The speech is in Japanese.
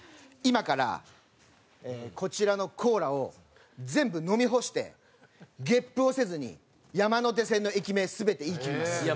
今からこちらのコーラを全部飲み干してゲップをせずに山手線の駅名全て言いきります。